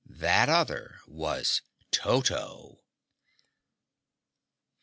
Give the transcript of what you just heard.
That other was Toto!